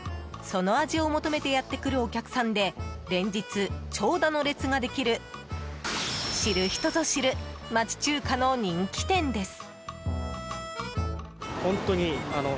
その味を求めてやってくるお客さんで連日長蛇の列ができる知る人ぞ知る町中華の人気店です。